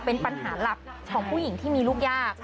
เป็นปัญหาหลักของผู้หญิงที่มีลูกยาก